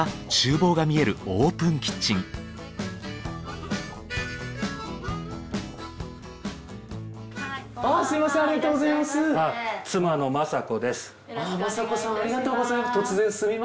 方子さんありがとうございます。